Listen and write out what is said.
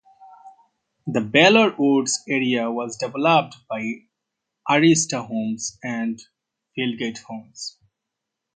The Vellore Woods area was developed by Arista Homes and Fieldgate Homes.